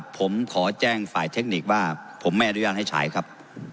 ผมขอแจ้งฝ่ายเทคนิคว่าผมไม่อนุญาตให้ใช้ครับ